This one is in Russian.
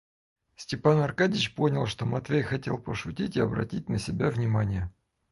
Степан Аркадьич понял, что Матвей хотел пошутить и обратить на себя внимание.